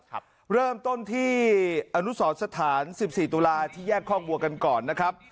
เริ่มต้นที่อนุสรสถานสิบสี่ตุลาที่แยกคอกวัวกันก่อนนะครับ